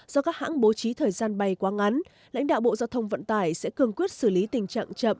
do các hãng bố trí thời gian bay quá ngắn lãnh đạo bộ giao thông vận tải sẽ cương quyết xử lý tình trạng chậm